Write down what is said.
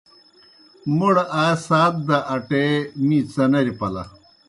موْڑ آئے سات دہ اٹے می څنری پلہ۔